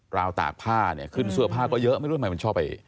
ราวตากผ้าเนี่ยขึ้นเสื้อผ้าก็เยอะไม่รู้ทำไมมันชอบไป